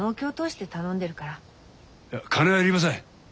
いや金はいりません。